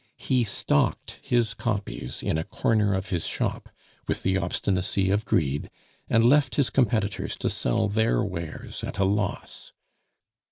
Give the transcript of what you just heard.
He stocked his copies in a corner of his shop, with the obstinacy of greed, and left his competitors to sell their wares at a loss.